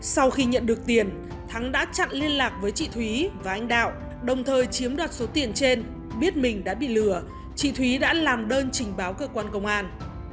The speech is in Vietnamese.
sau khi nhận được tiền thắng đã chặn liên lạc với chị thúy và anh đạo đồng thời chiếm đoạt số tiền trên biết mình đã bị lừa chị thúy đã làm đơn trình báo cơ quan công an